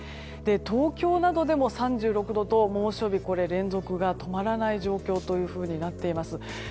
東京などでも３６度と猛暑日連続が止まらない状況となっています。